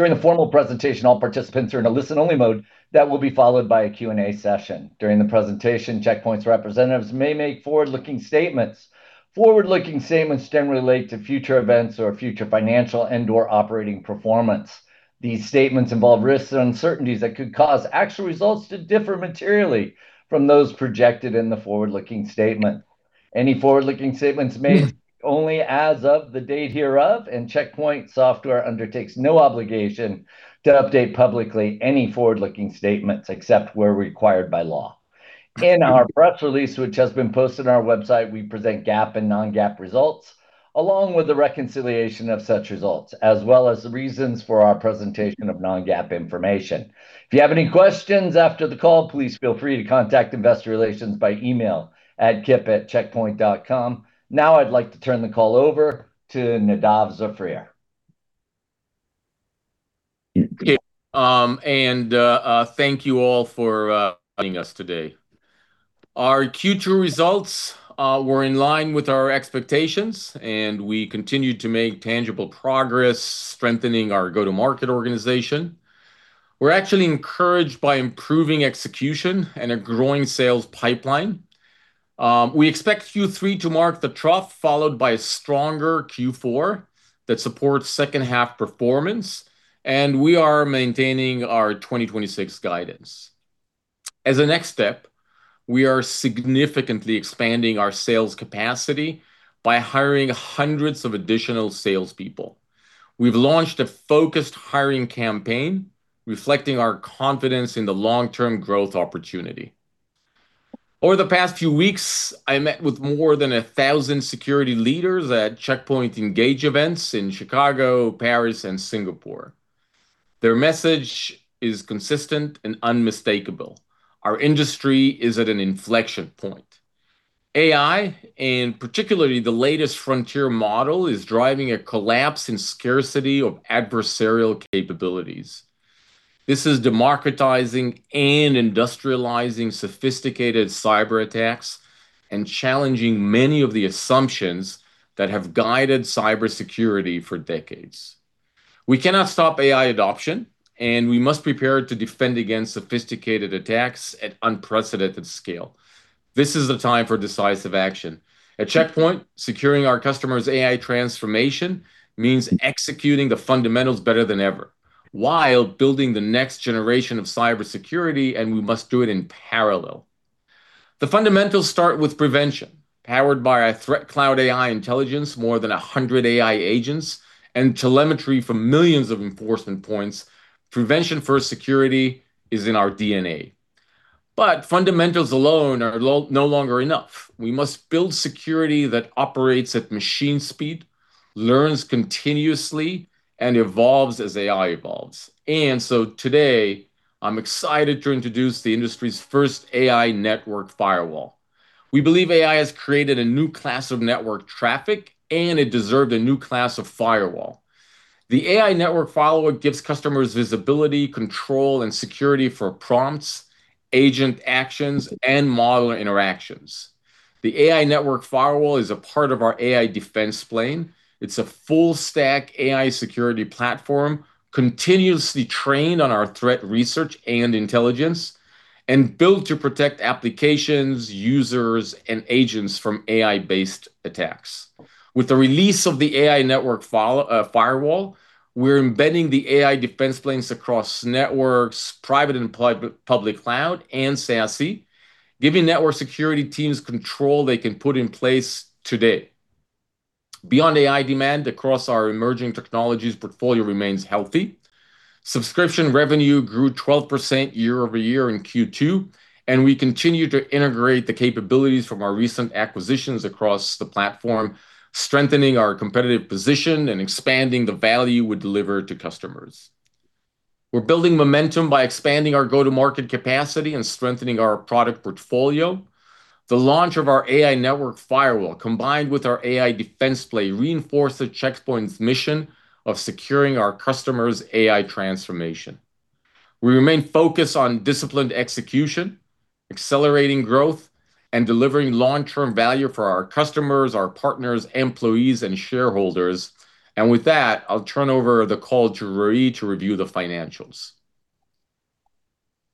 During the formal presentation, all participants are in a listen-only mode that will be followed by a Q&A session. During the presentation, Check Point's representatives may make forward-looking statements. Forward-looking statements can relate to future events or future financial and/or operating performance. These statements involve risks and uncertainties that could cause actual results to differ materially from those projected in the forward-looking statement. Any forward-looking statements made only as of the date hereof, Check Point Software undertakes no obligation to update publicly any forward-looking statements except where required by law. In our press release, which has been posted on our website, we present GAAP and non-GAAP results, along with the reconciliation of such results, as well as the reasons for our presentation of non-GAAP information. If you have any questions after the call, please feel free to contact investor relations by email at kip@checkpoint.com. Now I'd like to turn the call over to Nadav Zafrir. Okay. Thank you all for joining us today. Our Q2 results were in line with our expectations, we continued to make tangible progress strengthening our go-to-market organization. We're actually encouraged by improving execution and a growing sales pipeline. We expect Q3 to mark the trough, followed by a stronger Q4 that supports second half performance, we are maintaining our 2026 guidance. As a next step, we are significantly expanding our sales capacity by hiring hundreds of additional salespeople. We've launched a focused hiring campaign reflecting our confidence in the long-term growth opportunity. Over the past few weeks, I met with more than 1,000 security leaders at Check Point Engage events in Chicago, Paris, and Singapore. Their message is consistent and unmistakable. Our industry is at an inflection point. AI, and particularly the latest frontier model, is driving a collapse in scarcity of adversarial capabilities. This is democratizing and industrializing sophisticated cyberattacks and challenging many of the assumptions that have guided cybersecurity for decades. We cannot stop AI adoption, we must prepare to defend against sophisticated attacks at unprecedented scale. This is a time for decisive action. At Check Point, securing our customers' AI transformation means executing the fundamentals better than ever while building the next generation of cybersecurity, we must do it in parallel. The fundamentals start with prevention, powered by our ThreatCloud AI intelligence, more than 100 AI agents, and telemetry from millions of enforcement points. Prevention-first security is in our DNA. Fundamentals alone are no longer enough. We must build security that operates at machine speed, learns continuously, and evolves as AI evolves. Today, I'm excited to introduce the industry's first AI Network Firewall. We believe AI has created a new class of network traffic. It deserves a new class of firewall. The AI Network Firewall gives customers visibility, control, and security for prompts, agent actions, and model interactions. The AI Network Firewall is a part of our AI Defense Plane. It's a full stack AI security platform continuously trained on our threat research and intelligence and built to protect applications, users, and agents from AI-based attacks. With the release of the AI Network Firewall, we're embedding the AI Defense Planes across networks, private and public cloud, and SASE, giving network security teams control they can put in place today. Beyond AI demand, across our emerging technologies portfolio remains healthy. Subscription revenue grew 12% year-over-year in Q2. We continue to integrate the capabilities from our recent acquisitions across the platform, strengthening our competitive position and expanding the value we deliver to customers. We're building momentum by expanding our go-to-market capacity and strengthening our product portfolio. The launch of our AI Network Firewall, combined with our AI Defense Plane, reinforce Check Point's mission of securing our customers' AI transformation. We remain focused on disciplined execution, accelerating growth, and delivering long-term value for our customers, our partners, employees, and shareholders. With that, I'll turn over the call to Roei to review the financials.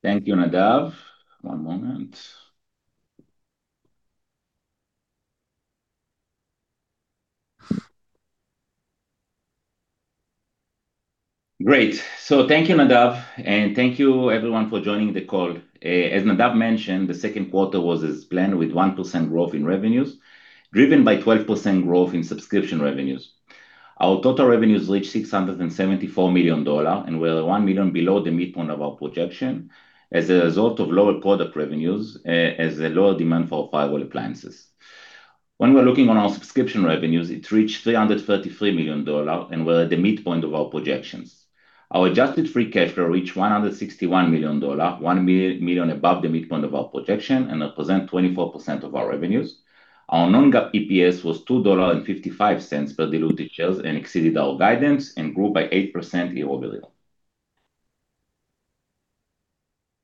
Thank you, Nadav. One moment. Great. Thank you, Nadav, and thank you everyone for joining the call. As Nadav mentioned, the second quarter was as planned with 1% growth in revenues, driven by 12% growth in subscription revenues. Our total revenues reached $674 million, and we're $1 million below the midpoint of our projection as a result of lower product revenues, a lower demand for firewall appliances. When we're looking at our subscription revenues, it reached $333 million, and we're at the midpoint of our projections. Our adjusted free cash flow reached $161 million, $1 million above the midpoint of our projection, and represent 24% of our revenues. Our non-GAAP EPS was $2.55 per diluted shares and exceeded our guidance and grew by 8% year-over-year.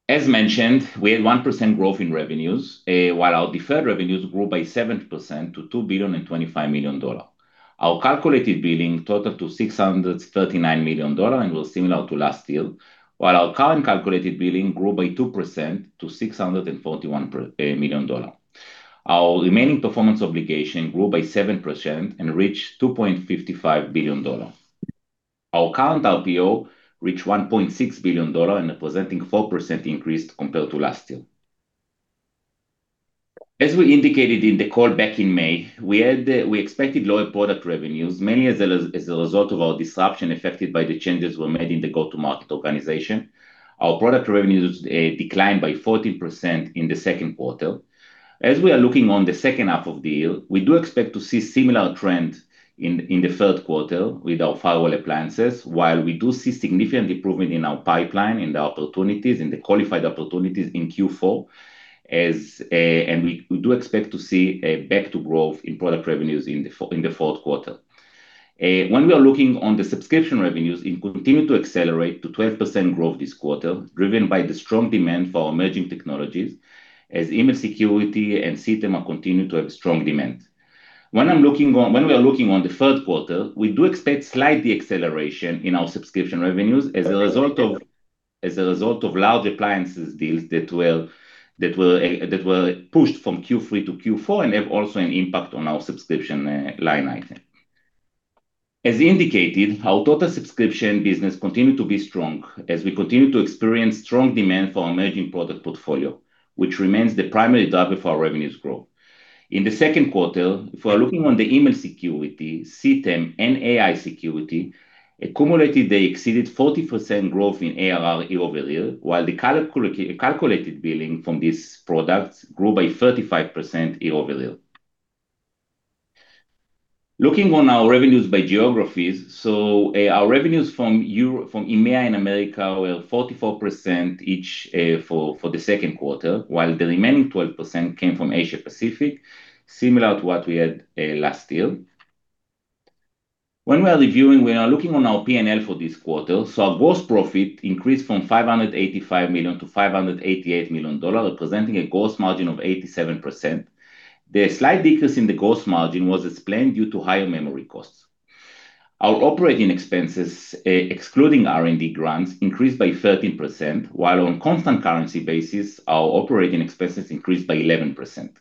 As mentioned, we had 1% growth in revenues, while our deferred revenues grew by 7% to $2.025 billion. Our calculated billing totaled to $639 million and was similar to last year. While our current calculated billing grew by 2% to $641 million. Our Remaining Performance Obligation grew by 7% and reached $2.55 billion. Our current RPO reached $1.6 billion and representing 4% increase compared to last year. As we indicated in the call back in May, we expected lower product revenues, mainly as a result of our disruption affected by the changes were made in the go-to-market organization. Our product revenues declined by 14% in the second quarter. As we are looking on the second half of the year, we do expect to see similar trend in the third quarter with our firewall appliances, while we do see significant improvement in our pipeline, in the opportunities, in the qualified opportunities in Q4. We do expect to see a back to growth in product revenues in the fourth quarter. We are looking on the subscription revenues, it continued to accelerate to 12% growth this quarter, driven by the strong demand for our emerging technologies, as email security and CTEM continue to have strong demand. We are looking on the third quarter, we do expect slight deacceleration in our subscription revenues as a result of large appliances deals that were pushed from Q3 to Q4 and have also an impact on our subscription line item. As indicated, our total subscription business continued to be strong as we continue to experience strong demand for our emerging product portfolio, which remains the primary driver for our revenues growth. In the second quarter, if we're looking on the email security, CTEM, and AI security, accumulated they exceeded 40% growth in ARR year-over-year, while the calculated billing from these products grew by 35% year-over-year. Looking on our revenues by geographies. Our revenues from EMEA and America were 44% each, for the second quarter, while the remaining 12% came from Asia Pacific, similar to what we had last year. We are reviewing, we are looking on our P&L for this quarter. Our gross profit increased from $585 million to $588 million, representing a gross margin of 87%. The slight decrease in the gross margin was explained due to higher memory costs. Our operating expenses, excluding R&D grants, increased by 13%, while on constant currency basis, our operating expenses increased by 11%.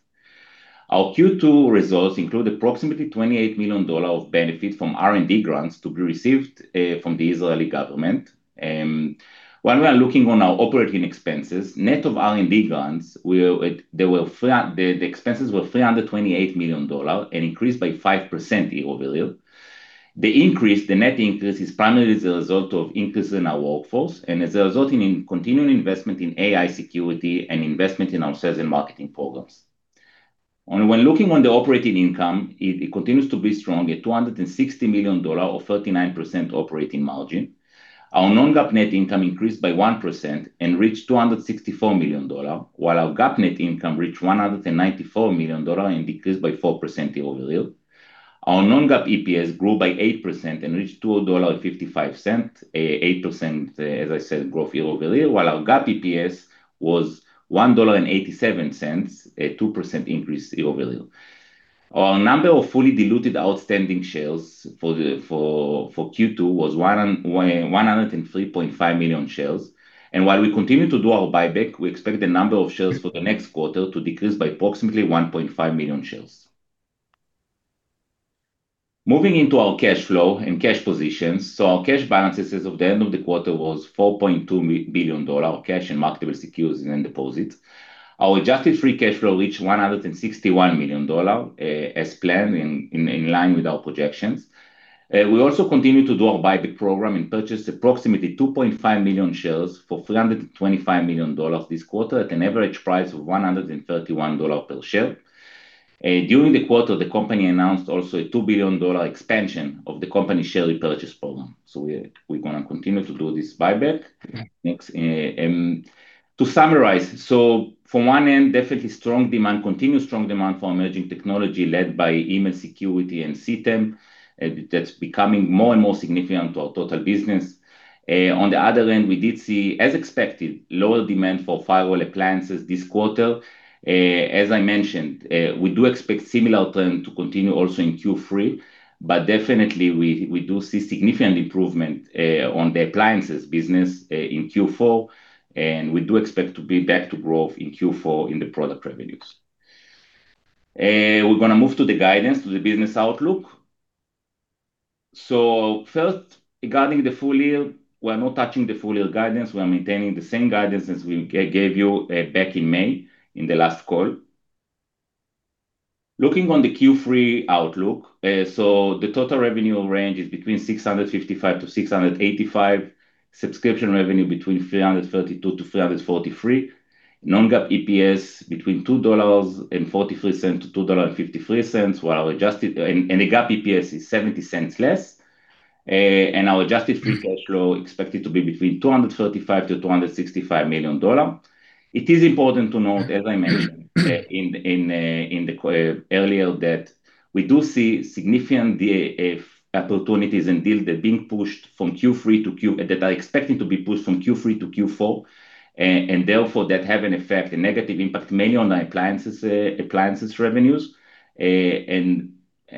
Our Q2 results include approximately $28 million of benefit from R&D grants to be received from the Israeli government. We are looking on our operating expenses, net of R&D grants, the expenses were $328 million and increased by 5% year-over-year. The net increase is primarily as a result of increase in our workforce and as a result in continuing investment in AI security and investment in our sales and marketing programs. Looking on the operating income, it continues to be strong at $260 million or 39% operating margin. Our non-GAAP net income increased by 1% and reached $264 million, while our GAAP net income reached $194 million and decreased by 4% year-over-year. Our non-GAAP EPS grew by 8% and reached $2.55. 8%, as I said, growth year-over-year, while our GAAP EPS was $1.87, a 2% increase year-over-year. Our number of fully diluted outstanding shares for Q2 was 103.5 million shares. While we continue to do our buyback, we expect the number of shares for the next quarter to decrease by approximately 1.5 million shares. Moving into our cash flow and cash positions. Our cash balances as of the end of the quarter was $4.2 billion of cash and marketable securities and deposits. Our adjusted free cash flow reached $161 million, as planned and in line with our projections. We also continue to do our buyback program and purchased approximately 2.5 million shares for $325 million this quarter at an average price of $131 per share. During the quarter, the company announced also a $2 billion expansion of the company share repurchase program. We're going to continue to do this buyback. Next. To summarize, from one end, definitely strong demand, continued strong demand for emerging technology led by email security and CTEM, that's becoming more and more significant to our total business. On the other end, we did see, as expected, lower demand for firewall appliances this quarter. As I mentioned, we do expect similar trend to continue also in Q3, but definitely we do see significant improvement on the appliances business in Q4, and we do expect to be back to growth in Q4 in the product revenues. We're going to move to the guidance, to the business outlook. First, regarding the full year, we are not touching the full year guidance. We are maintaining the same guidance as we gave you back in May, in the last call. Looking on the Q3 outlook, the total revenue range is between $655-$685. Subscription revenue between $332-$343. Non-GAAP EPS between $2.43-$2.53. The GAAP EPS is $0.70 less. Our adjusted free cash flow expected to be between $235 million-$265 million. It is important to note, as I mentioned earlier, that we do see significant DAF opportunities and deals that are expecting to be pushed from Q3 to Q4, and therefore that have a negative impact mainly on the appliances revenues.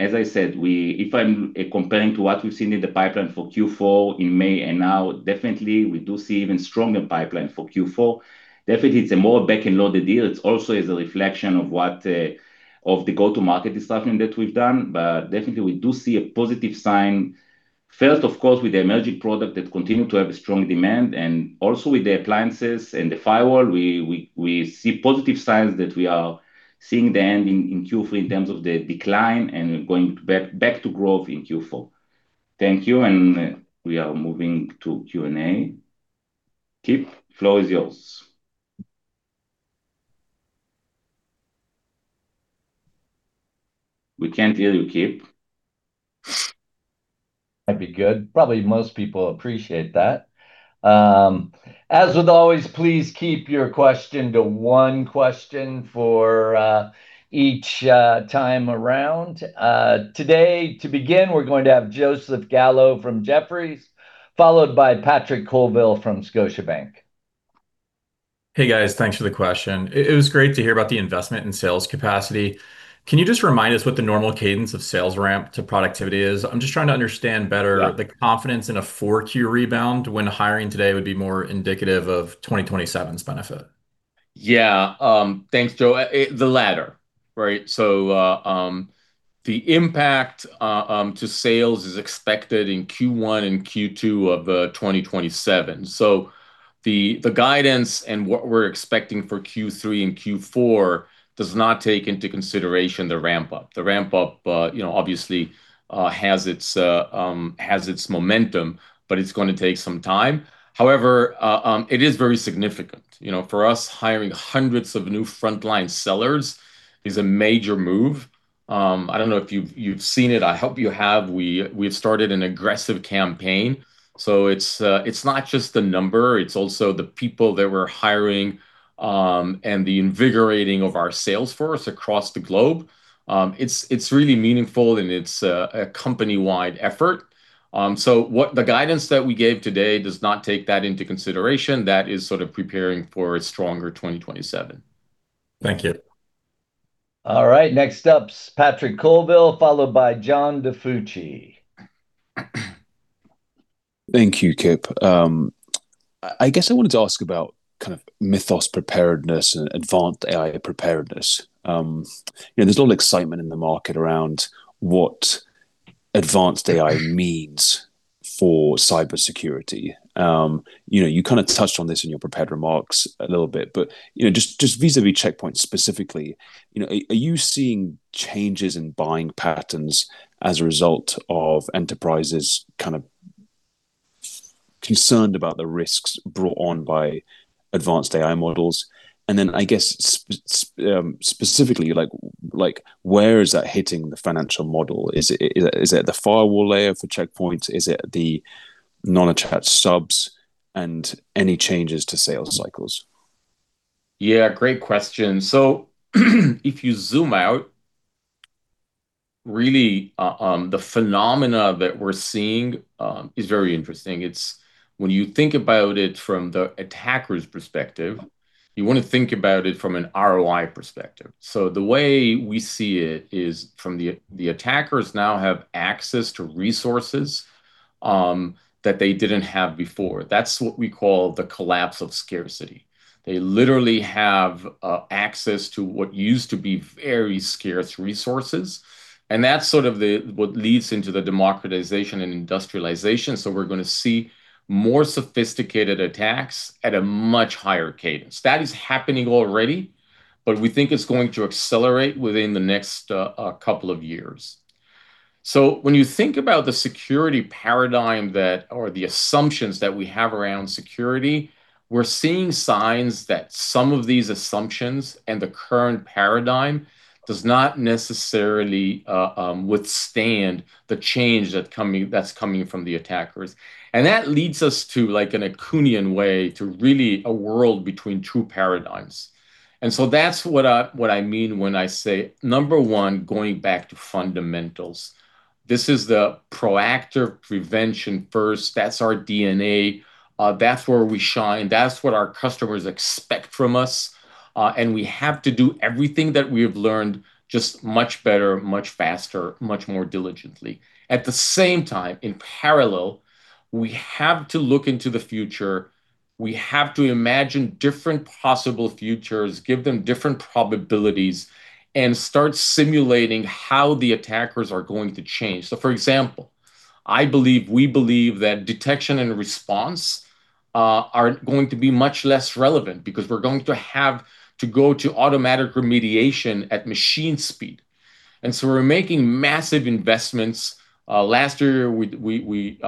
As I said, if I'm comparing to what we've seen in the pipeline for Q4 in May and now, definitely we do see even stronger pipeline for Q4. Definitely, it's a more back-ended loaded deal. It's also is a reflection of the go-to-market disrupting that we've done. Definitely we do see a positive sign, first, of course, with the emerging product that continue to have a strong demand. Also with the appliances and the firewall, we see positive signs that we are seeing the end in Q3 in terms of the decline and going back to growth in Q4. Thank you, and we are moving to Q&A. Kip, floor is yours. We can't hear you, Kip. That'd be good. Probably most people appreciate that. As with always, please keep your question to one question for each time around. Today, to begin, we're going to have Joseph Gallo from Jefferies, followed by Patrick Colville from Scotiabank. Hey, guys. Thanks for the question. It was great to hear about the investment in sales capacity. Can you just remind us what the normal cadence of sales ramp to productivity is? I'm just trying to understand better, the confidence in a 4Q rebound when hiring today would be more indicative of 2027's benefit. Yeah. Thanks, Joe. The latter. The impact to sales is expected in Q1 and Q2 of 2027. The guidance and what we're expecting for Q3 and Q4 does not take into consideration the ramp-up. The ramp-up obviously has its momentum, but it's going to take some time. However, it is very significant. For us, hiring hundreds of new frontline sellers is a major move. I don't know if you've seen it. I hope you have. We've started an aggressive campaign, so it's not just the number, it's also the people that we're hiring, and the invigorating of our sales force across the globe. It's really meaningful and it's a company-wide effort. The guidance that we gave today does not take that into consideration. That is sort of preparing for a stronger 2027. Thank you. All right. Next up's Patrick Colville, followed by John DiFucci. Thank you, Kip. I guess I wanted to ask about kind of Mythos preparedness and advanced AI preparedness. There's a lot of excitement in the market around what advanced AI means for cybersecurity. You kind of touched on this in your prepared remarks a little bit, but just vis-a-vis Check Point specifically, are you seeing changes in buying patterns as a result of enterprises kind of concerned about the risks brought on by advanced AI models? Then, I guess, specifically, where is that hitting the financial model? Is it at the firewall layer for Check Point? Is it the non-attach subs and any changes to sales cycles? Yeah. Great question. If you zoom out, really, the phenomena that we're seeing is very interesting. When you think about it from the attacker's perspective, you want to think about it from an ROI perspective. The way we see it is the attackers now have access to resources that they didn't have before. That's what we call the collapse of scarcity. They literally have access to what used to be very scarce resources, and that's sort of what leads into the democratization and industrialization. We're going to see more sophisticated attacks at a much higher cadence. That is happening already, but we think it's going to accelerate within the next couple of years. When you think about the security paradigm or the assumptions that we have around security, we're seeing signs that some of these assumptions and the current paradigm does not necessarily withstand the change that's coming from the attackers. That leads us to, like in a Kuhnian way, to really a world between true paradigms. That's what I mean when I say, number one, going back to fundamentals. This is the proactive prevention first. That's our DNA. That's where we shine. That's what our customers expect from us. We have to do everything that we have learned, just much better, much faster, much more diligently. At the same time, in parallel, we have to look into the future. We have to imagine different possible futures, give them different probabilities, and start simulating how the attackers are going to change. For example, we believe that detection and response are going to be much less relevant because we're going to have to go to automatic remediation at machine speed. We're making massive investments. Last year, we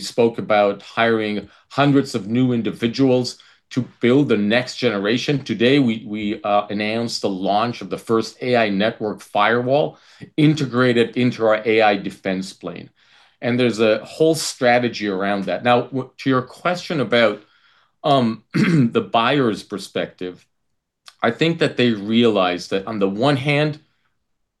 spoke about hiring hundreds of new individuals to build the next generation. Today, we announced the launch of the first AI Network Firewall integrated into our AI Defense Plane, and there's a whole strategy around that. To your question about the buyer's perspective, I think that they realize that on the one hand,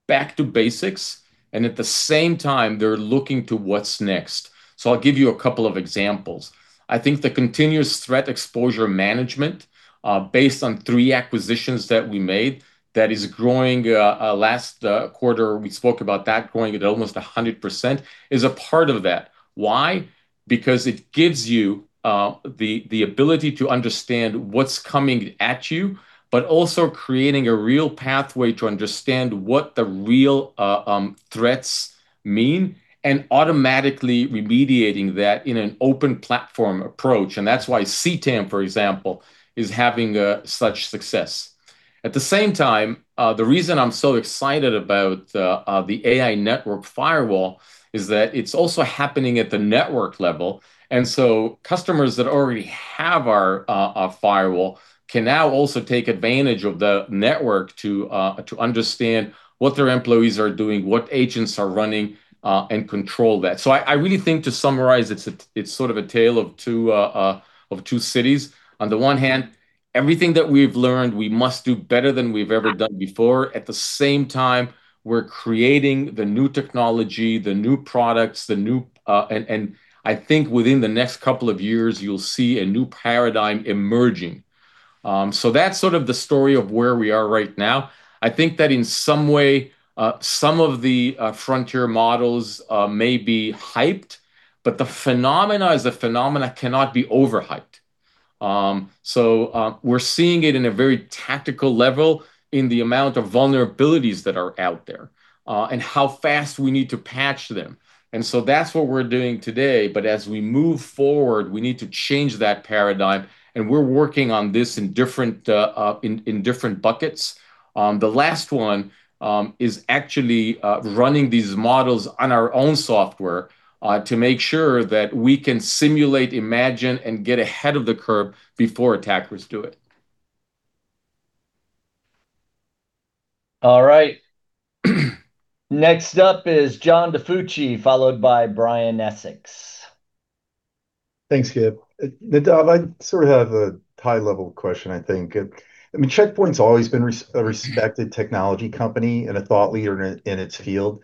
back to basics, and at the same time, they're looking to what's next. I'll give you a couple of examples. I think the continuous threat exposure management, based on three acquisitions that we made, that is growing. Last quarter, we spoke about that growing at almost 100%, is a part of that. Why? Because it gives you the ability to understand what's coming at you, but also creating a real pathway to understand what the real threats mean, and automatically remediating that in an open platform approach. That's why CTEM, for example, is having such success. At the same time, the reason I'm so excited about the AI Network Firewall is that it's also happening at the network level. Customers that already have our firewall can now also take advantage of the network to understand what their employees are doing, what agents are running, and control that. I really think to summarize, it's sort of a tale of two cities. On the one hand, everything that we've learned, we must do better than we've ever done before. At the same time, we're creating the new technology, the new products. I think within the next couple of years, you'll see a new paradigm emerging. That's sort of the story of where we are right now. I think that in some way, some of the frontier models may be hyped, but the phenomena as a phenomena cannot be overhyped. We're seeing it in a very tactical level in the amount of vulnerabilities that are out there, and how fast we need to patch them. That's what we're doing today. As we move forward, we need to change that paradigm, and we're working on this in different buckets. The last one is actually running these models on our own software, to make sure that we can simulate, imagine, and get ahead of the curve before attackers do it. All right. Next up is John DiFucci, followed by Brian Essex. Thanks, Kip. Nadav, I sort of have a high-level question, I think. Check Point's always been a respected technology company and a thought leader in its field.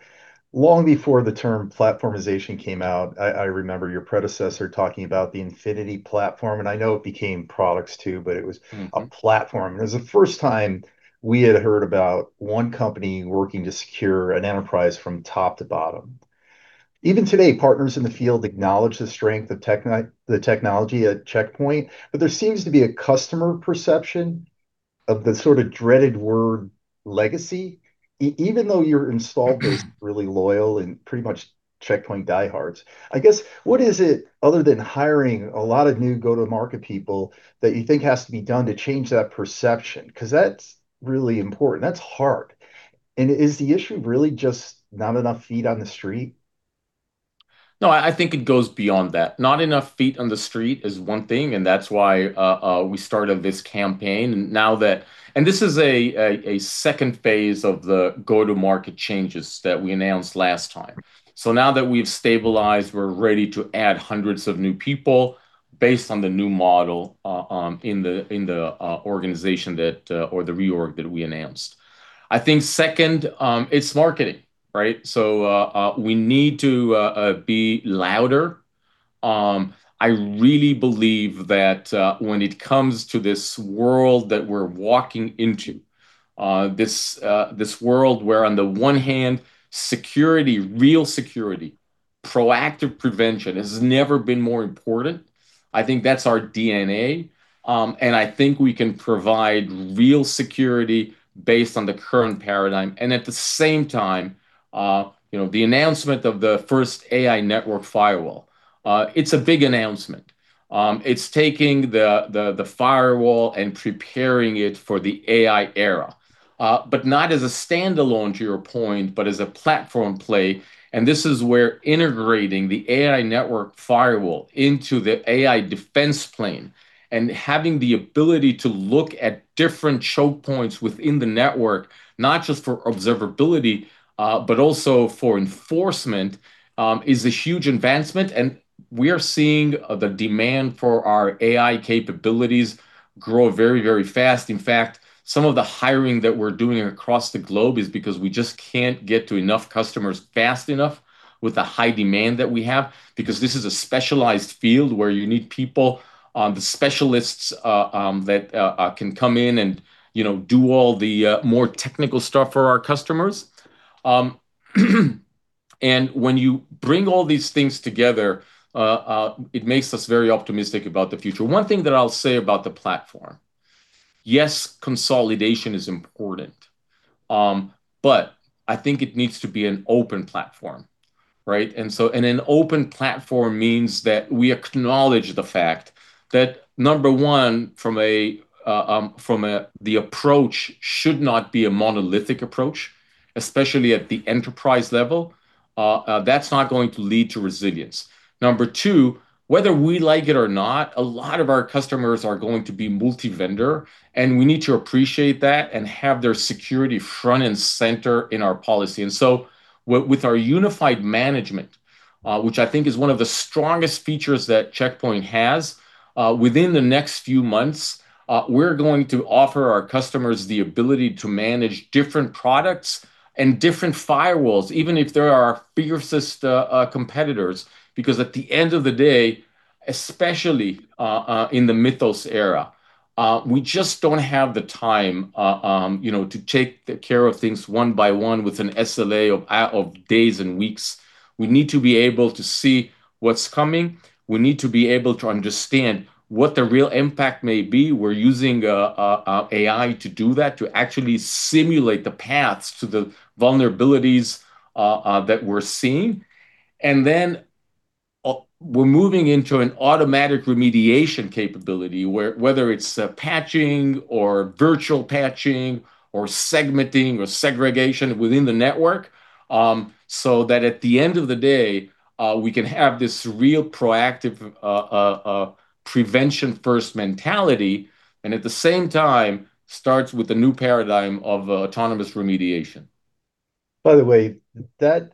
Long before the term platformization came out, I remember your predecessor talking about the Infinity platform, and I know it became products too, but it was a platform. It was the first time we had heard about one company working to secure an enterprise from top to bottom. Even today, partners in the field acknowledge the strength of the technology at Check Point, but there seems to be a customer perception of the sort of dreaded word, legacy, even though your install base is really loyal and pretty much Check Point diehards. I guess, what is it, other than hiring a lot of new go-to-market people, that you think has to be done to change that perception? Because that's really important. That's hard. Is the issue really just not enough feet on the street? I think it goes beyond that. Not enough feet on the street is one thing, That's why we started this campaign. This is a second phase of the go-to-market changes that we announced last time. Now that we've stabilized, we're ready to add hundreds of new people based on the new model in the organization or the reorg that we announced. I think second, it's marketing, right? We need to be louder. I really believe that when it comes to this world that we're walking into, this world where on the one hand, security, real security, proactive prevention, has never been more important. I think that's our DNA, and I think we can provide real security based on the current paradigm. At the same time, the announcement of the first AI Network Firewall, it's a big announcement. It's taking the firewall and preparing it for the AI era. Not as a standalone, to your point, but as a platform play, and this is where integrating the AI Network Firewall into the AI Defense Plane and having the ability to look at different choke points within the network, not just for observability, but also for enforcement, is a huge advancement. We are seeing the demand for our AI capabilities grow very, very fast. In fact, some of the hiring that we're doing across the globe is because we just can't get to enough customers fast enough with the high demand that we have, because this is a specialized field where you need people, the specialists, that can come in and do all the more technical stuff for our customers. When you bring all these things together, it makes us very optimistic about the future. One thing that I'll say about the platform, yes, consolidation is important, but I think it needs to be an open platform, right? An open platform means that we acknowledge the fact that, number one, from the approach should not be a monolithic approach, especially at the enterprise level. That's not going to lead to resilience. Number two, whether we like it or not, a lot of our customers are going to be multi-vendor, and we need to appreciate that and have their security front and center in our policy. With our unified management, which I think is one of the strongest features that Check Point has, within the next few months, we're going to offer our customers the ability to manage different products and different firewalls, even if they're our fiercest competitors. At the end of the day, especially in the Mythos era, we just don't have the time to take care of things one by one with an SLA of days and weeks. We need to be able to see what's coming. We need to be able to understand what the real impact may be. We're using AI to do that, to actually simulate the paths to the vulnerabilities that we're seeing. Then we're moving into an automatic remediation capability, whether it's patching or virtual patching or segmenting or segregation within the network, so that at the end of the day, we can have this real proactive prevention first mentality, and at the same time, starts with the new paradigm of autonomous remediation. By the way, that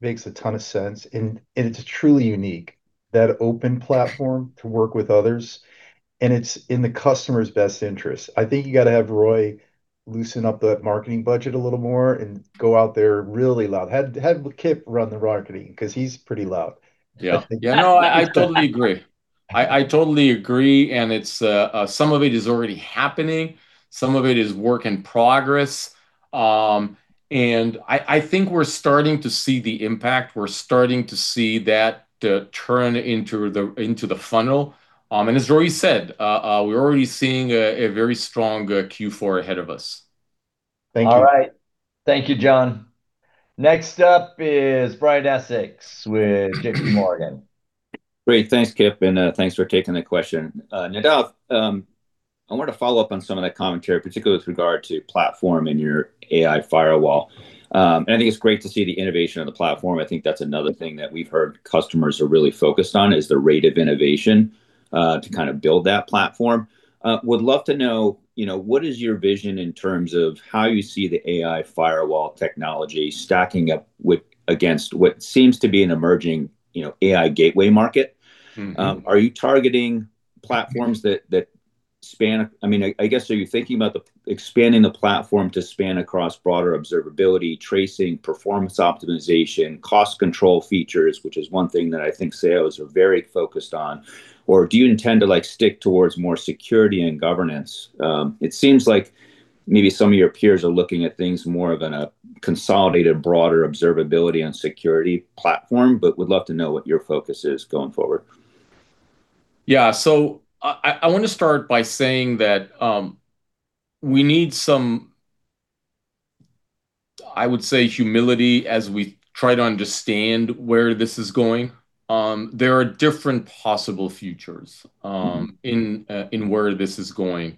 makes a ton of sense, and it's truly unique, that open platform to work with others, and it's in the customer's best interest. I think you got to have Roei loosen up that marketing budget a little more and go out there really loud. Have Kip run the marketing because he's pretty loud. Yeah. No, I totally agree. Some of it is already happening. Some of it is work in progress. I think we're starting to see the impact. We're starting to see that turn into the funnel. As Roei said, we're already seeing a very strong Q4 ahead of us. Thank you. All right. Thank you, John. Next up is Brian Essex with JPMorgan. Great. Thanks, Kip, and thanks for taking the question. Nadav, I wanted to follow up on some of that commentary, particularly with regard to platform in your AI firewall. I think it's great to see the innovation of the platform. I think that's another thing that we've heard customers are really focused on is the rate of innovation to build that platform. Would love to know, what is your vision in terms of how you see the AI firewall technology stacking up against what seems to be an emerging AI gateway market? Are you targeting platforms that span-- I guess, are you thinking about expanding the platform to span across broader observability, tracing, performance optimization, cost control features, which is one thing that I think sales are very focused on, or do you intend to stick towards more security and governance? It seems like maybe some of your peers are looking at things more of in a consolidated, broader observability and security platform, would love to know what your focus is going forward. Yeah. I want to start by saying that we need some, I would say, humility as we try to understand where this is going. There are different possible futures in where this is going.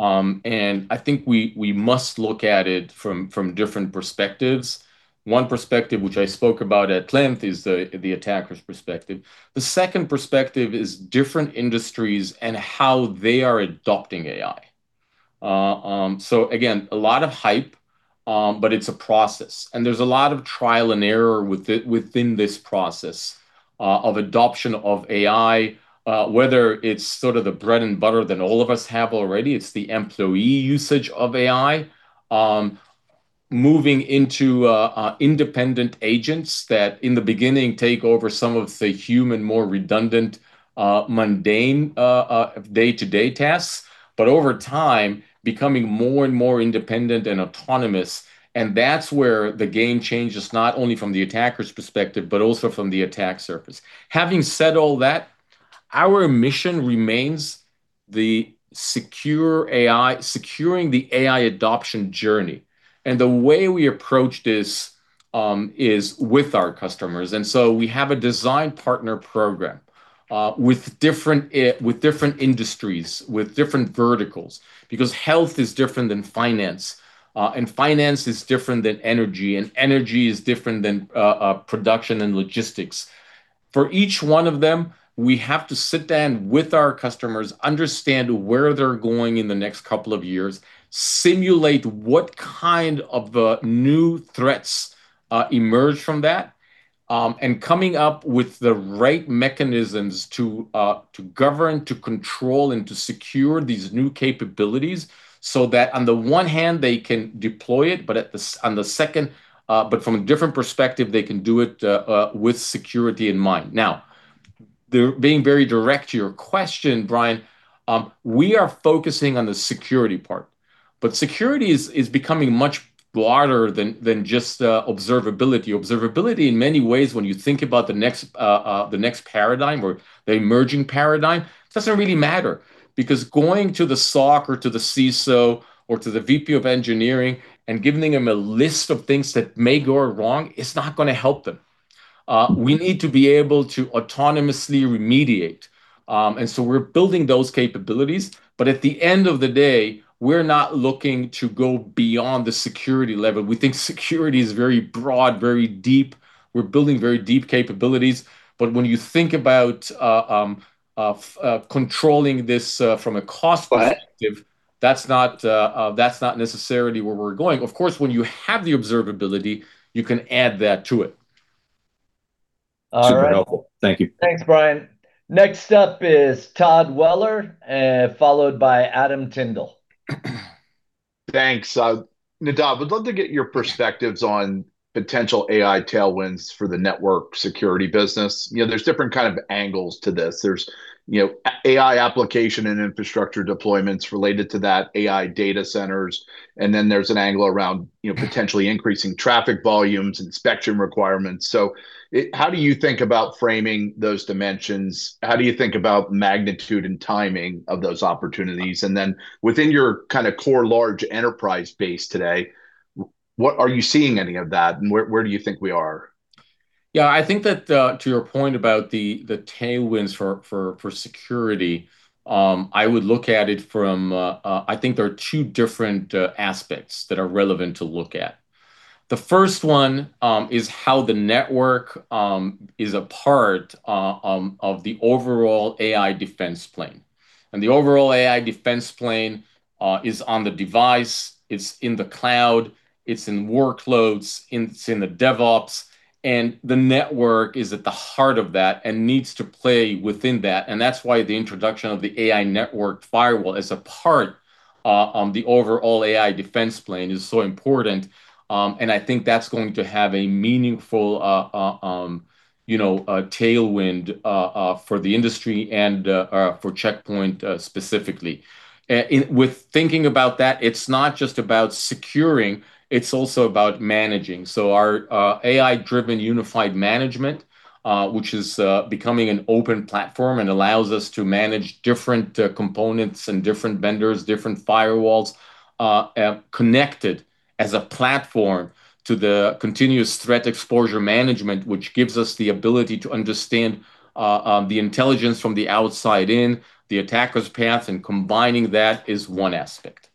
I think we must look at it from different perspectives. One perspective, which I spoke about at length, is the attacker's perspective. The second perspective is different industries and how they are adopting AI. Again, a lot of hype, but it's a process. There's a lot of trial and error within this process of adoption of AI, whether it's the bread and butter that all of us have already. It's the employee usage of AI, moving into independent agents that in the beginning take over some of the human, more redundant, mundane, day-to-day tasks, but over time, becoming more and more independent and autonomous. That's where the game changes, not only from the attacker's perspective, but also from the attack surface. Having said all that, our mission remains securing the AI adoption journey. The way we approach this is with our customers. We have a design partner program, with different industries, with different verticals, because health is different than finance, and finance is different than energy, and energy is different than production and logistics. For each one of them, we have to sit down with our customers, understand where they're going in the next couple of years, simulate what kind of the new threats emerge from that, and coming up with the right mechanisms to govern, to control, and to secure these new capabilities so that on the one hand, they can deploy it, but from a different perspective, they can do it with security in mind. Now, being very direct to your question, Brian, we are focusing on the security part, but security is becoming much broader than just observability. Observability in many ways, when you think about the next paradigm or the emerging paradigm, doesn't really matter, because going to the SOC or to the CISO or to the VP of Engineering and giving them a list of things that may go wrong is not going to help them. We need to be able to autonomously remediate. We're building those capabilities, but at the end of the day, we're not looking to go beyond the security level. We think security is very broad, very deep. We're building very deep capabilities. When you think about controlling this from a cost perspective- Right That's not necessarily where we're going. Of course, when you have the observability, you can add that to it. Super helpful. Thank you. Thanks, Brian. Next up is Todd Weller, followed by Adam Tindle. Thanks. Nadav, I'd love to get your perspectives on potential AI tailwinds for the network security business. There's different kind of angles to this. There's AI application and infrastructure deployments related to that, AI data centers, and then there's an angle around potentially increasing traffic volumes and spectrum requirements. How do you think about framing those dimensions? How do you think about magnitude and timing of those opportunities? Then within your core large enterprise base today, are you seeing any of that, and where do you think we are? I think that to your point about the tailwinds for security, I would look at it from, I think there are two different aspects that are relevant to look at. The first one is how the network is a part of the overall AI Defense Plane. The overall AI Defense Plane is on the device, it's in the cloud, it's in workloads, it's in the DevOps. The network is at the heart of that and needs to play within that. That's why the introduction of the AI Network Firewall as a part of the overall AI Defense Plane is so important, and I think that's going to have a meaningful tailwind for the industry and for Check Point specifically. With thinking about that, it's not just about securing, it's also about managing. Our AI-driven unified management, which is becoming an open platform and allows us to manage different components and different vendors, different firewalls, connected as a platform to the Continuous Threat Exposure Management, which gives us the ability to understand the intelligence from the outside in, the attacker's path and combining that is one aspect.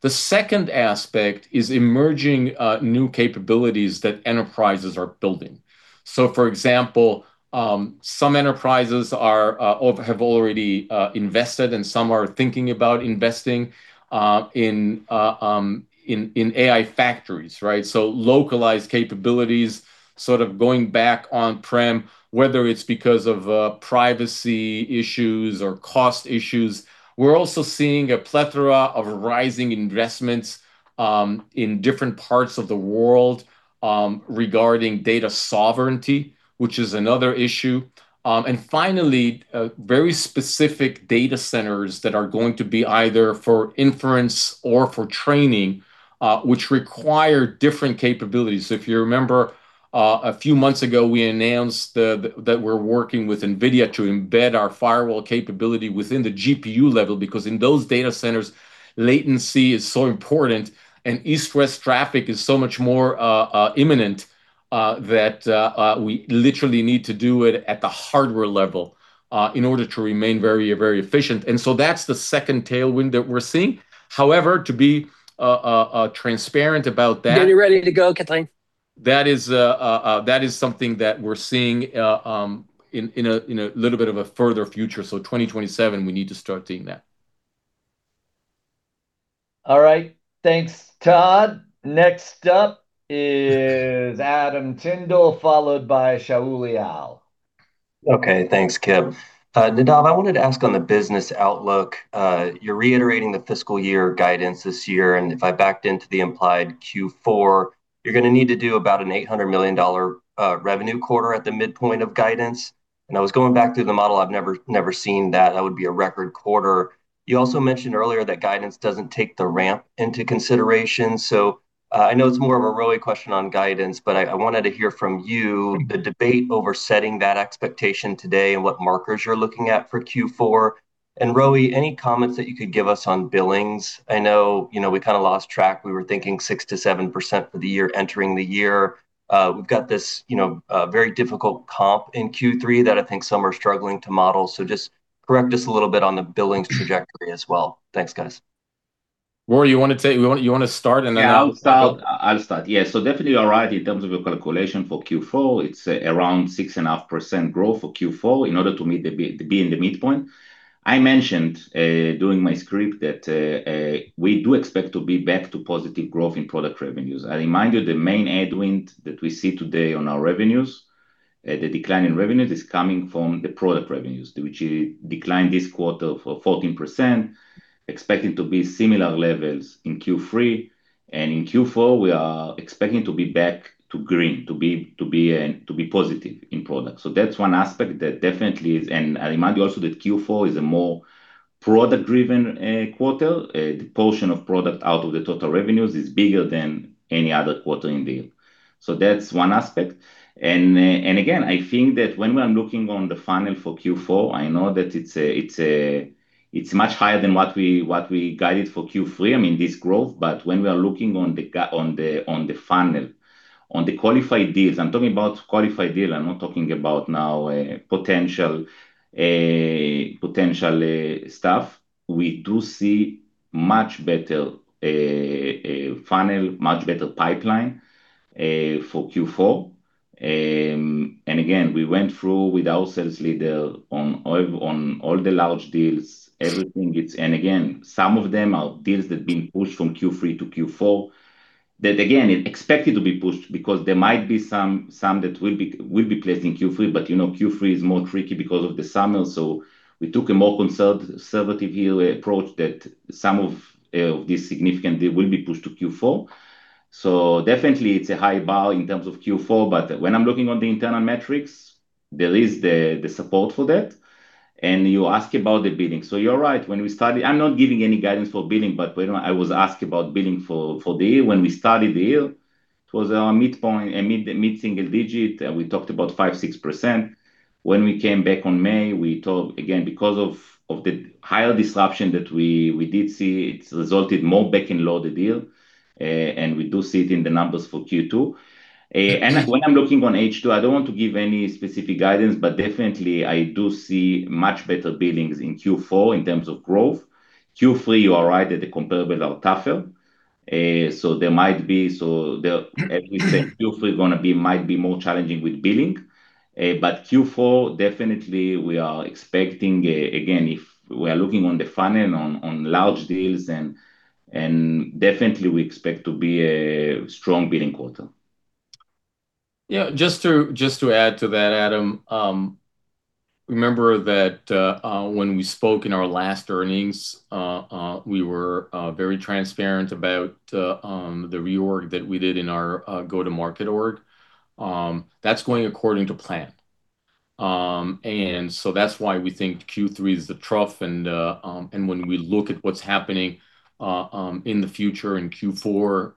The second aspect is emerging new capabilities that enterprises are building. For example, some enterprises have already invested and some are thinking about investing in AI factories, right? Localized capabilities, sort of going back on-prem, whether it's because of privacy issues or cost issues. We're also seeing a plethora of rising investments in different parts of the world regarding data sovereignty, which is another issue. Finally, very specific data centers that are going to be either for inference or for training, which require different capabilities. If you remember a few months ago, we announced that we're working with NVIDIA to embed our firewall capability within the GPU level, because in those data centers, latency is so important, and east-west traffic is so much more imminent, that we literally need to do it at the hardware level in order to remain very efficient. That's the second tailwind that we're seeing. However, to be transparent about that. When you're ready to go, Kathleen. That is something that we're seeing in a little bit of a further future. 2027, we need to start seeing that. All right. Thanks, Todd. Next up is Adam Tindle, followed by Shaul Eyal. Okay, thanks, Kip. Nadav, I wanted to ask on the business outlook, you are reiterating the fiscal year guidance this year. If I backed into the implied Q4, you are going to need to do about an $800 million revenue quarter at the midpoint of guidance. I was going back through the model. I have never seen that. That would be a record quarter. You also mentioned earlier that guidance does not take the ramp into consideration. I know it is more of a Roei question on guidance, but I wanted to hear from you the debate over setting that expectation today and what markers you are looking at for Q4. Roei, any comments that you could give us on billings? I know we kind of lost track. We were thinking 6%-7% for the year entering the year. We have got this very difficult comp in Q3 that I think some are struggling to model. Just correct us a little bit on the billings trajectory as well. Thanks, guys. Roei, you want to start and then I will- Yeah, I will start. Definitely you are right in terms of your calculation for Q4. It is around 6.5% growth for Q4 in order to be in the midpoint. I mentioned, during my script that we do expect to be back to positive growth in product revenues. I remind you, the main headwind that we see today on our revenues, the decline in revenues is coming from the product revenues, which declined this quarter for 14%, expecting to be similar levels in Q3. In Q4, we are expecting to be back to green, to be positive in product. That is one aspect that definitely. I remind you also that Q4 is a more product-driven quarter. The portion of product out of the total revenues is bigger than any other quarter in the year. That is one aspect. I think that when we are looking on the funnel for Q4, I know that it's much higher than what we guided for Q3, I mean this growth. When we are looking on the funnel, on the qualified deals, I'm talking about qualified deal, I'm not talking about now potential stuff. We do see much better funnel, much better pipeline, for Q4. Again, we went through with our sales leader on all the large deals, everything. Again, some of them are deals that have been pushed from Q3 to Q4. That again, is expected to be pushed because there might be some that will be placed in Q3. Q3 is more tricky because of the summer. We took a more conservative view approach that some of this significant deal will be pushed to Q4. Definitely it's a high bar in terms of Q4. When I'm looking on the internal metrics, there is the support for that. You ask about the billing. You're right, when we started, I'm not giving any guidance for billing. When I was asked about billing for the year, when we started the year, it was mid-single digit, and we talked about 5%, 6%. When we came back on May, we talked, again, because of the higher disruption that we did see, it's resulted more back in load the deal. We do see it in the numbers for Q2. When I'm looking on H2, I don't want to give any specific guidance. Definitely I do see much better billings in Q4 in terms of growth. Q3, you are right that the comparable are tougher. Q3 might be more challenging with billing. Q4, definitely we are expecting, again, if we are looking on the front end on large deals, definitely we expect to be a strong billing quarter. Yeah, just to add to that, Adam. Remember that when we spoke in our last earnings, we were very transparent about the reorg that we did in our go-to-market org. That's going according to plan. That's why we think Q3 is the trough. When we look at what's happening in the future, in Q4,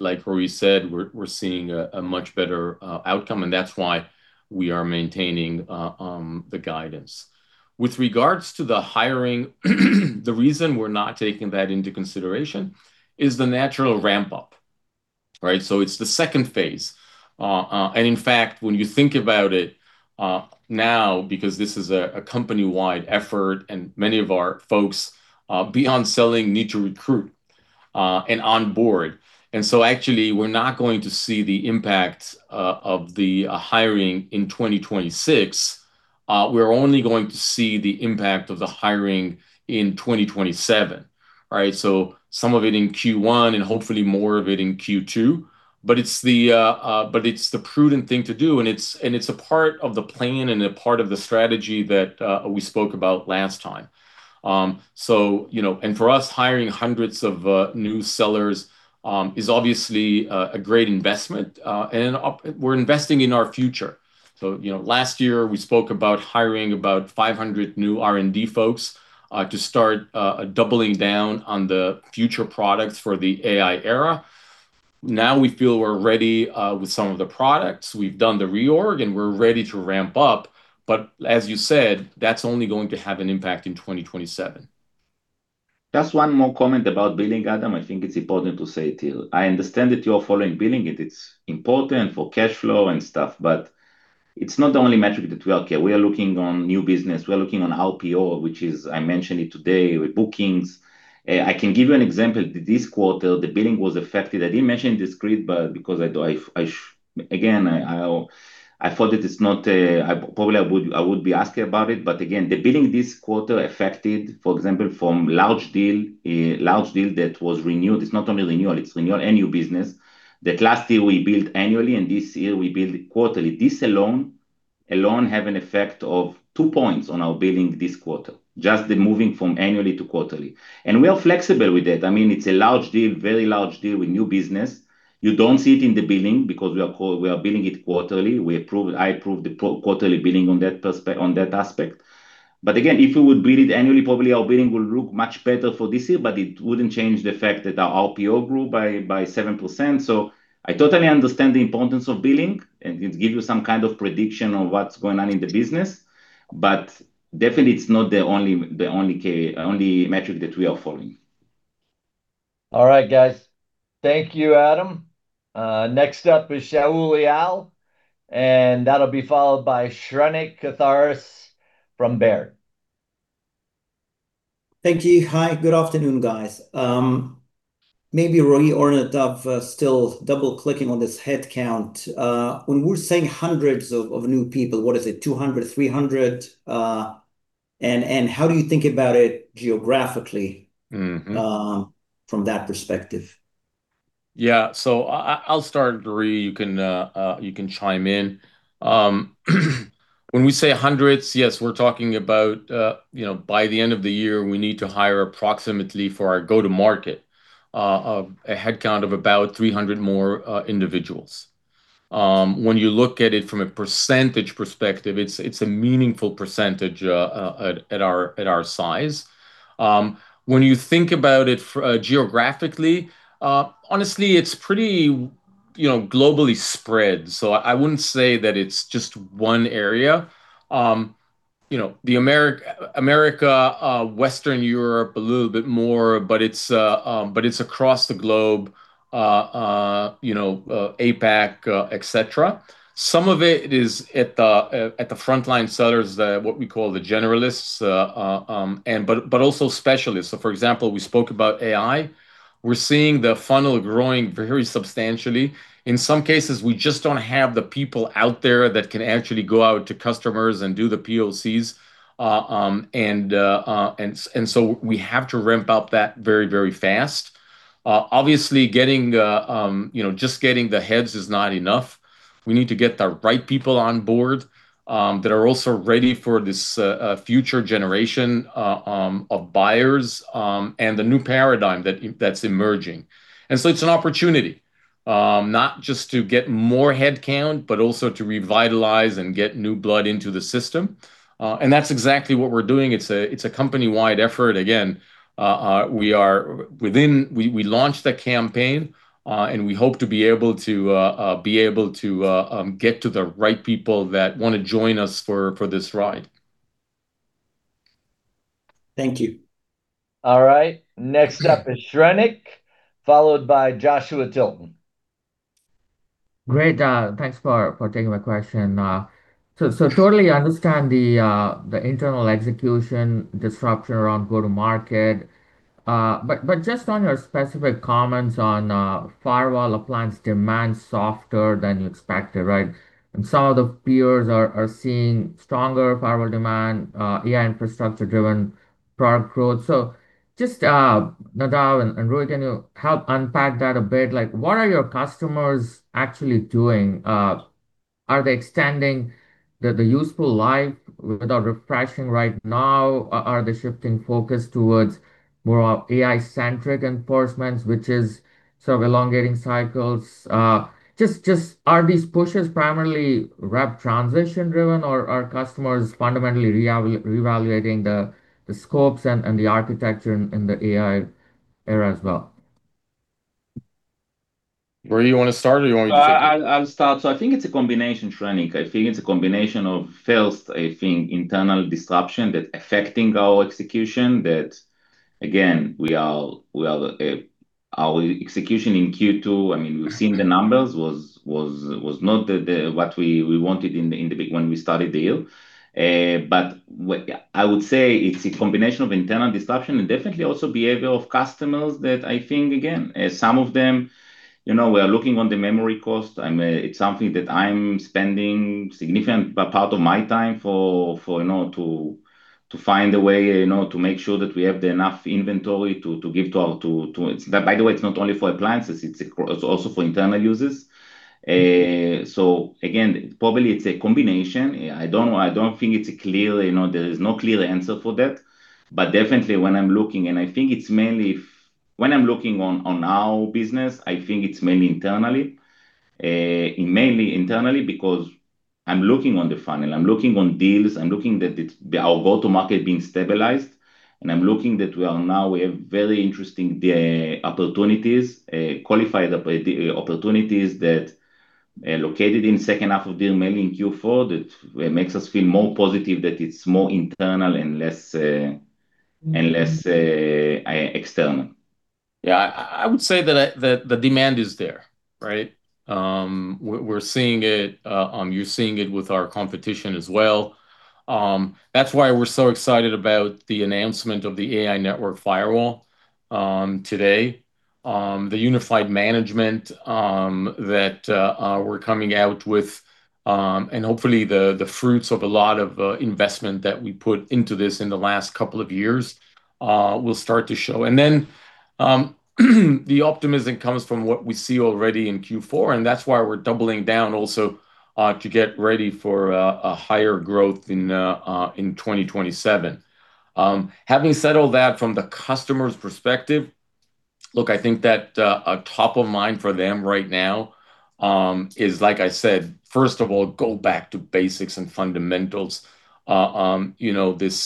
like Roei said, we're seeing a much better outcome, that's why we are maintaining the guidance. With regards to the hiring, the reason we're not taking that into consideration is the natural ramp-up. Right? It's the second phase. In fact, when you think about it now, because this is a company-wide effort and many of our folks, beyond selling, need to recruit and onboard. Actually, we're not going to see the impact of the hiring in 2026. We're only going to see the impact of the hiring in 2027. Right? Some of it in Q1, and hopefully more of it in Q2. It's the prudent thing to do, and it's a part of the plan and a part of the strategy that we spoke about last time. For us, hiring hundreds of new sellers is obviously a great investment. We're investing in our future. Last year we spoke about hiring about 500 new R&D folks to start doubling down on the future products for the AI era. Now we feel we're ready with some of the products. We've done the reorg, and we're ready to ramp up. As you said, that's only going to have an impact in 2027. Just one more comment about billing, Adam. I think it's important to say, too. I understand that you're following billing, it's important for cash flow and stuff, it's not the only metric that we care. We are looking on new business. We are looking on RPO, which is, I mentioned it today, with bookings. I can give you an example. This quarter, the billing was affected. I didn't mention discrete, because again, I thought that it's not, probably I would be asking about it. Again, the billing this quarter affected, for example, from large deal that was renewed. It's not only renewal, it's renewal and new business, that last year we billed annually, and this year we billed quarterly. This alone have an effect of two points on our billing this quarter, just the moving from annually to quarterly. We are flexible with that. It's a large deal, very large deal with new business. You don't see it in the billing because we are billing it quarterly. I approved the quarterly billing on that aspect. Again, if we would bill it annually, probably our billing will look much better for this year, but it wouldn't change the fact that our RPO grew by 7%. I totally understand the importance of billing and it give you some kind of prediction on what's going on in the business. Definitely it's not the only metric that we are following. All right, guys. Thank you, Adam. Next up is Shaul Eyal, and that'll be followed by Shrenik Kothari from Baird. Thank you. Hi, good afternoon, guys. Maybe Roei or Nadav still double-clicking on this head count. When we're saying hundreds of new people, what is it, 200, 300? How do you think about it geographically from that perspective? I'll start, Roei, you can chime in. When we say hundreds, yes, we're talking about by the end of the year, we need to hire approximately for our go-to-market, a head count of about 300 more individuals. When you look at it from a percentage perspective, it's a meaningful percentage at our size. When you think about it geographically, honestly, it's pretty globally spread. I wouldn't say that it's just one area. America, Western Europe a little bit more, but it's across the globe, APAC, et cetera. Some of it is at the frontline sellers, what we call the generalists, but also specialists. For example, we spoke about AI. We're seeing the funnel growing very substantially. In some cases, we just don't have the people out there that can actually go out to customers and do the POCs. We have to ramp up that very fast. Obviously, just getting the heads is not enough. We need to get the right people on board that are also ready for this future generation of buyers, and the new paradigm that's emerging. It's an opportunity not just to get more headcount, but also to revitalize and get new blood into the system. That's exactly what we're doing. It's a company-wide effort. Again, we launched a campaign, and we hope to be able to get to the right people that want to join us for this ride. Thank you. All right. Next up is Shrenik, followed by Joshua Tilton. Great. Thanks for taking my question. Totally understand the internal execution disruption around go-to-market. Just on your specific comments on firewall appliance demand softer than you expected, right? Some of the peers are seeing stronger firewall demand, AI infrastructure-driven product growth. Just, Nadav and Roei, can you help unpack that a bit? What are your customers actually doing? Are they extending the useful life without refreshing right now? Are they shifting focus towards more AI-centric enforcements, which is sort of elongating cycles? Just, are these pushes primarily rep transition driven, or are customers fundamentally reevaluating the scopes and the architecture in the AI era as well? Roe, you want to start or you want me to take it? I'll start. I think it's a combination, Shrenik. I think it's a combination of, first, I think internal disruption that affecting our execution, that, again, our execution in Q2, we've seen the numbers, was not what we wanted when we started the year. I would say it's a combination of internal disruption and definitely also behavior of customers that I think, again, some of them, we are looking on the memory cost. It's something that I'm spending significant part of my time for to find a way to make sure that we have the enough inventory to give to our. By the way, it's not only for appliances, it's also for internal users. Again, probably it's a combination. I don't know. I don't think it's clear. There is no clear answer for that. Definitely when I'm looking, and I think it's mainly when I'm looking on our business, I think it's mainly internally. Mainly internally because I'm looking on the funnel, I'm looking on deals, I'm looking that our go to market being stabilized, and I'm looking that we have very interesting opportunities, qualified opportunities that located in second half of the year, mainly in Q4, that makes us feel more positive that it's more internal and less external. Yeah. I would say that the demand is there, right? We're seeing it. You're seeing it with our competition as well. That's why we're so excited about the announcement of the AI Network Firewall today. The unified management that we're coming out with, and hopefully the fruits of a lot of investment that we put into this in the last couple of years will start to show. Then the optimism comes from what we see already in Q4, and that's why we're doubling down also to get ready for a higher growth in 2027. Having said all that from the customer's perspective, look, I think that top of mind for them right now is, like I said, first of all, go back to basics and fundamentals. This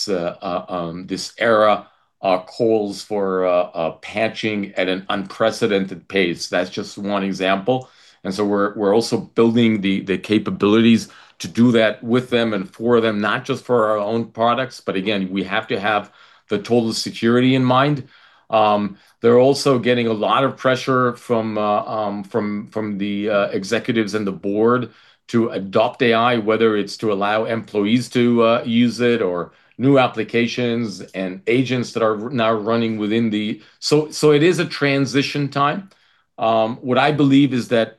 era calls for patching at an unprecedented pace. That's just one example. We're also building the capabilities to do that with them and for them, not just for our own products, but again, we have to have the total security in mind. They're also getting a lot of pressure from the executives and the board to adopt AI, whether it's to allow employees to use it or new applications and agents that are now running within the. It is a transition time. What I believe is that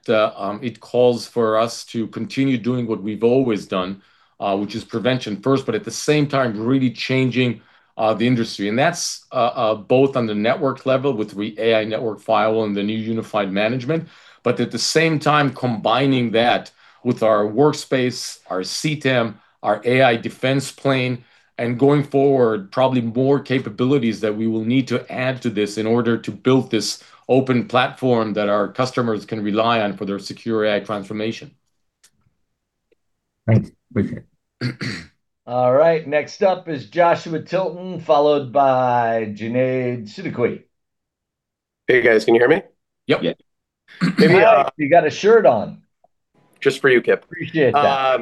it calls for us to continue doing what we've always done, which is prevention first, at the same time, really changing the industry. That's both on the network level with AI Network Firewall and the new unified management, but at the same time, combining that with our workspace, our CTEM, our AI Defense Plane, and going forward, probably more capabilities that we will need to add to this in order to build this open platform that our customers can rely on for their secure AI transformation. Thanks. Appreciate it. All right. Next up is Joshua Tilton, followed by Junaid Siddiqui. Hey, guys. Can you hear me? Yep. Yeah. You got a shirt on. Just for you, Kip. Appreciate that.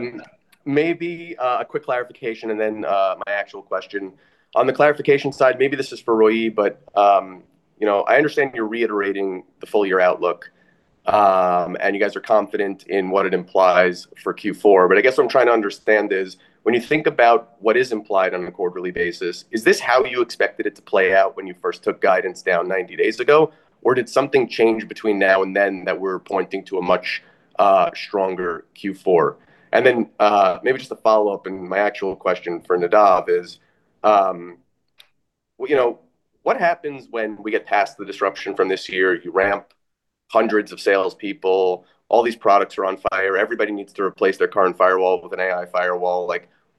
Maybe a quick clarification and then my actual question. On the clarification side, maybe this is for Roei, I understand you're reiterating the full year outlook, and you guys are confident in what it implies for Q4. I guess what I'm trying to understand is when you think about what is implied on a quarterly basis, is this how you expected it to play out when you first took guidance down 90 days ago, or did something change between now and then that we're pointing to a much stronger Q4? Then maybe just a follow-up, and my actual question for Nadav is, what happens when we get past the disruption from this year? You ramp hundreds of salespeople. All these products are on fire. Everybody needs to replace their current firewall with an AI firewall.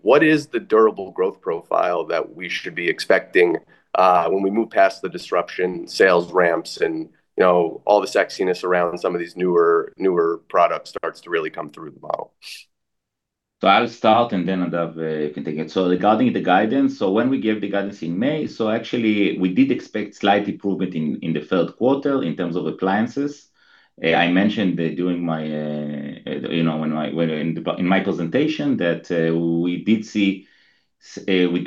What is the durable growth profile that we should be expecting when we move past the disruption, sales ramps, and all the sexiness around some of these newer products starts to really come through the model? I'll start, and then Nadav can take it. Regarding the guidance, when we gave the guidance in May, actually we did expect slight improvement in the third quarter in terms of appliances. I mentioned in my presentation that we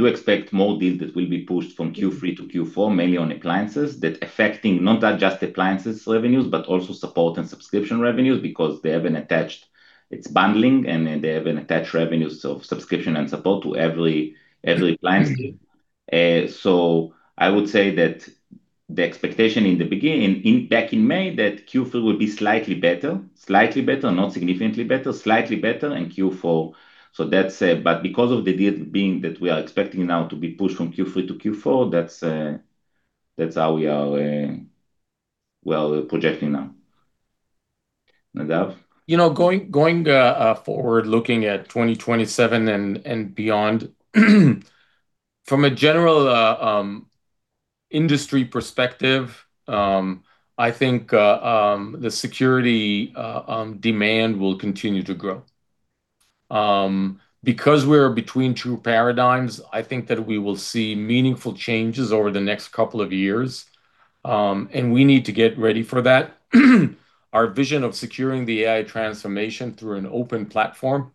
do expect more deals that will be pushed from Q3 to Q4, mainly on appliances that affecting not just appliances revenues, but also support and subscription revenues because they have an attached, it's bundling, and they have an attached revenues of subscription and support to every appliance deal. I would say that the expectation back in May, that Q3 will be slightly better. Slightly better, not significantly better, slightly better in Q4. Because of the deal being that we are expecting now to be pushed from Q3 to Q4, that's how we are well projecting now. Nadav? Going forward, looking at 2027 and beyond, from a general industry perspective, I think the security demand will continue to grow. We're between two paradigms, I think that we will see meaningful changes over the next couple of years, and we need to get ready for that. Our vision of securing the AI transformation through an open platform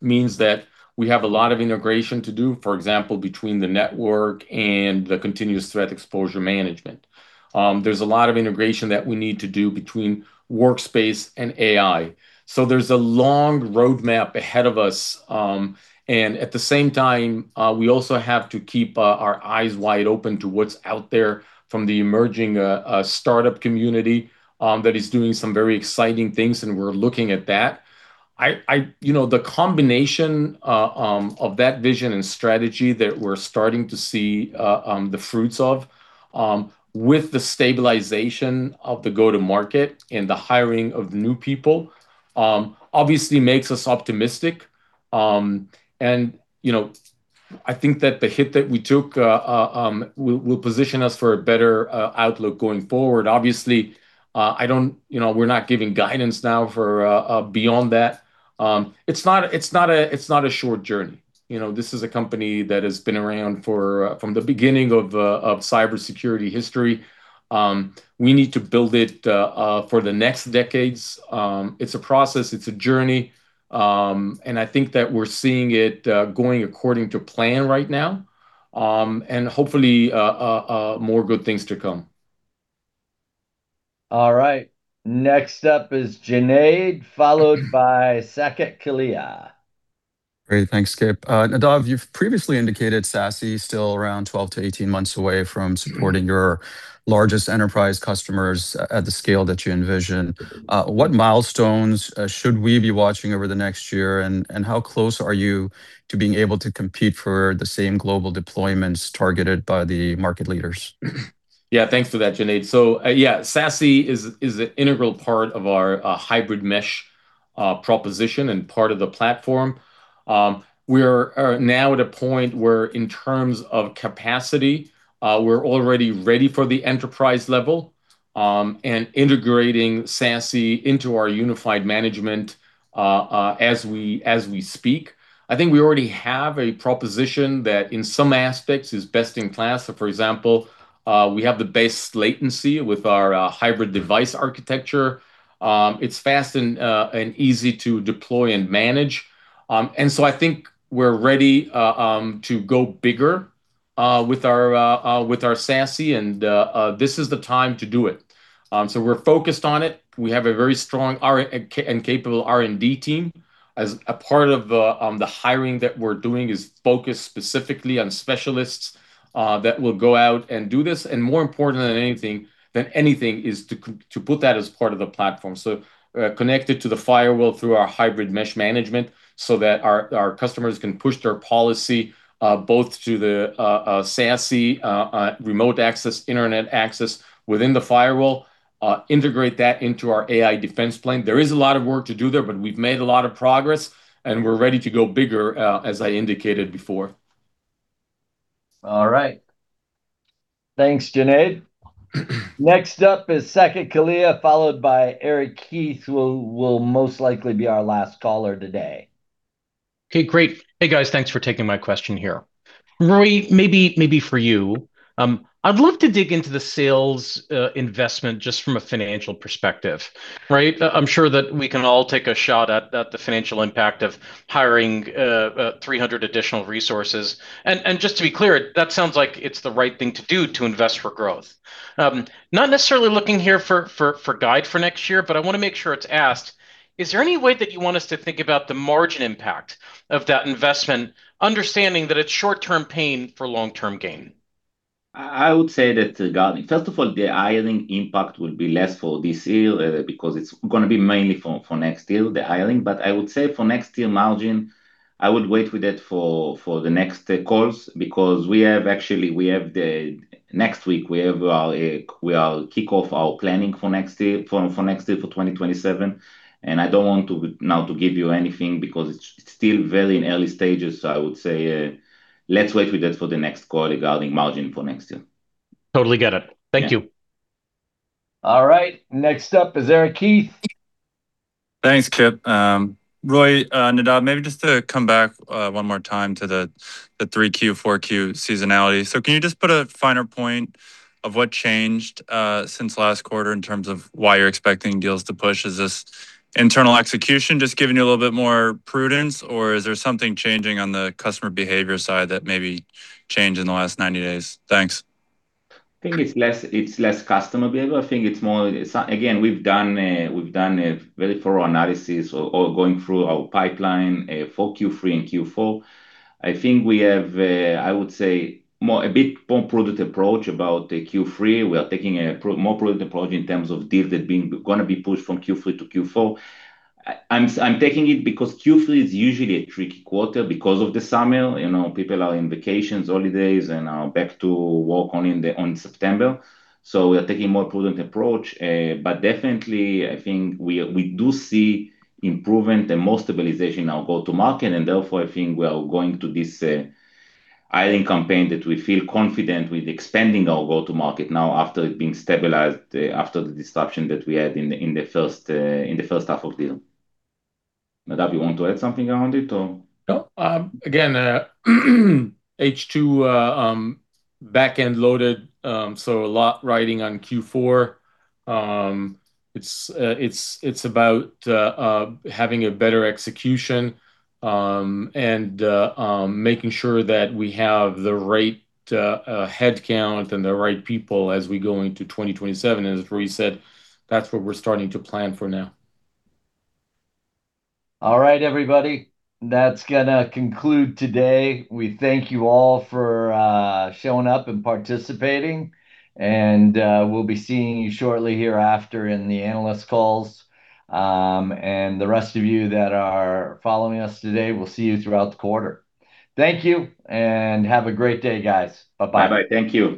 means that we have a lot of integration to do, for example, between the network and the continuous threat exposure management. There's a lot of integration that we need to do between workspace and AI. There's a long road map ahead of us, and at the same time, we also have to keep our eyes wide open to what's out there from the emerging startup community, that is doing some very exciting things, and we're looking at that. The combination of that vision and strategy that we're starting to see the fruits of, with the stabilization of the go to market and the hiring of new people, obviously makes us optimistic. I think that the hit that we took will position us for a better outlook going forward. Obviously, we're not giving guidance now for beyond that. It's not a short journey. This is a company that has been around from the beginning of cybersecurity history. We need to build it for the next decades. It's a process, it's a journey. I think that we're seeing it going according to plan right now. Hopefully, more good things to come. All right. Next up is Junaid, followed by Saket Kalia. Great. Thanks, Kip. Nadav, you've previously indicated SASE still around 12-18 months away from supporting your largest enterprise customers at the scale that you envision. What milestones should we be watching over the next year, and how close are you to being able to compete for the same global deployments targeted by the market leaders? Yeah, thanks for that, Junaid. Yeah, SASE is an integral part of our hybrid mesh proposition and part of the platform. We are now at a point where in terms of capacity, we're already ready for the enterprise level, and integrating SASE into our unified management as we speak. I think we already have a proposition that in some aspects is best in class. For example, we have the best latency with our hybrid device architecture. It's fast and easy to deploy and manage. I think we're ready to go bigger with our SASE and this is the time to do it. We're focused on it. We have a very strong and capable R&D team. As a part of the hiring that we're doing is focused specifically on specialists that will go out and do this. More important than anything is to put that as part of the platform. Connect it to the firewall through our hybrid mesh management so that our customers can push their policy, both to the SASE remote access, internet access within the firewall, integrate that into our AI Defense Plane. There is a lot of work to do there, we've made a lot of progress, we're ready to go bigger, as I indicated before. All right. Thanks, Junaid. Next up is Saket Kalia, followed by Eric Heath, who will most likely be our last caller today. Okay, great. Hey, guys. Thanks for taking my question here. Roe, maybe for you. I'd love to dig into the sales investment just from a financial perspective, right? I'm sure that we can all take a shot at the financial impact of hiring 300 additional resources. Just to be clear, that sounds like it's the right thing to do to invest for growth. Not necessarily looking here for guide for next year, but I want to make sure it's asked. Is there any way that you want us to think about the margin impact of that investment, understanding that it's short-term pain for long-term gain? I would say that regarding, first of all, the hiring impact will be less for this year, because it's going to be mainly for next year, the hiring. I would say for next year margin, I would wait with that for the next calls because next week, we are kick off our planning for next year for 2027. I don't want now to give you anything because it's still very in early stages. I would say, let's wait with that for the next call regarding margin for next year. Totally get it. Thank you. All right. Next up is Eric Heath. Thanks, Kip. Roei, Nadav, maybe just to come back one more time to the 3Q, 4Q seasonality. Can you just put a finer point of what changed since last quarter in terms of why you're expecting deals to push? Is this internal execution just giving you a little bit more prudence, or is there something changing on the customer behavior side that maybe changed in the last 90 days? Thanks. I think it's less customer behavior. I think it's more, again, we've done a very thorough analysis or going through our pipeline for Q3 and Q4. I think we have, I would say, a bit more prudent approach about the Q3. We are taking a more prudent approach in terms of deals that are going to be pushed from Q3 to Q4. I'm taking it because Q3 is usually a tricky quarter because of the summer. People are on vacations, holidays, and are back to work only in September. We are taking a more prudent approach. Definitely, I think we do see improvement and more stabilization in our go-to-market. Therefore, I think we are going to this hiring campaign that we feel confident with expanding our go-to-market now after it being stabilized after the disruption that we had in the first half of the year. Nadav, you want to add something around it, or? No. Again, H2 back-end loaded, a lot riding on Q4. It's about having a better execution and making sure that we have the right headcount and the right people as we go into 2027. As Roei said, that's what we're starting to plan for now. All right, everybody. That's going to conclude today. We thank you all for showing up and participating, and we'll be seeing you shortly hereafter in the analyst calls. The rest of you that are following us today, we'll see you throughout the quarter. Thank you, and have a great day, guys. Bye-bye. Bye-bye. Thank you